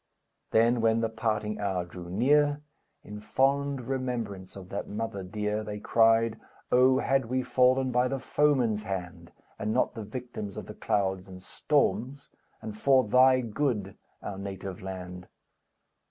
Then, when the parting hour drew near, In fond remembrance of that mother dear, They cried: "Oh had we fallen by the foeman's hand, And not the victims of the clouds and storms, And for thy good, our native land!